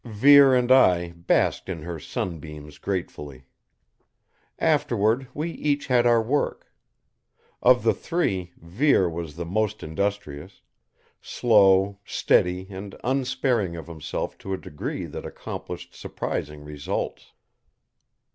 Vere and I basked in her sunbeams gratefully. Afterward, we each had our work. Of the three, Vere was the most industrious; slow, steady and unsparing of himself to a degree that accomplished surprising results.